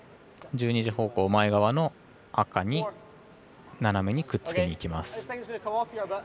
１２時方向前側の赤に斜めにくっつけにいきます。